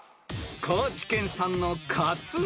［高知県産のカツオ］